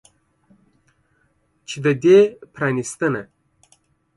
چې د دې پرانستنه